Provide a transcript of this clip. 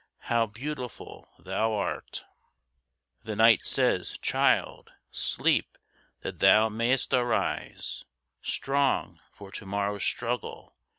how beautiful thou art! The Night says, "Child, sleep that thou may'st arise Strong for to morrow's struggle."